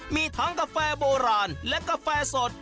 มีทั้งกาแฟโบราณและกาแฟสด